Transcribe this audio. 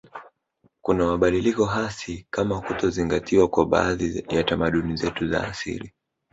Kuna mabadiliko hasi kama kutozingatiwa kwa baadhi ya tamaduni zetu za asili